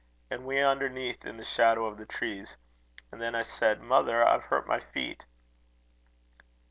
and we underneath in the shadow of the trees. And then I said, 'Mother, I've hurt my feet.'"